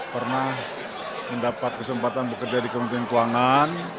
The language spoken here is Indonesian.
pernah mendapat kesempatan bekerja di kementerian keuangan